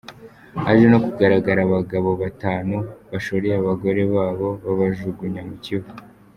Haje no kugaragara abagabo batanu bashoreye abagore babo babajugunya mu kivu.